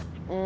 sa mau ketemu